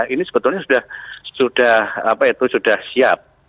ini sebetulnya sudah sudah apa itu sudah siap